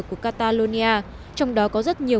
của catalonia trong đó có rất nhiều